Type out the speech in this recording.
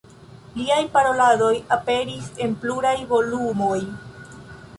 Liaj paroladoj aperis en pluraj volumoj.